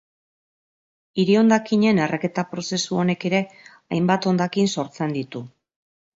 Hiri-hondakinen erreketa prozesu honek ere hainbat hondakin sortzen ditu.